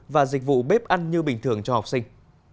và dịch vụ bếp ăn như bình thường cho học sinh